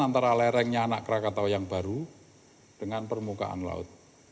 antara lerengnya anak krakatau yang baru dengan permukaan laut